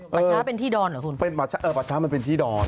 ป่าช้าเป็นที่ดอนเหรอคุณเป็นป่าช้าเออป่าช้ามันเป็นที่ดอน